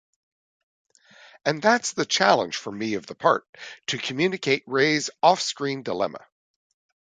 And that's the challenge for me of the part: to communicate Ray's offscreen dilemma.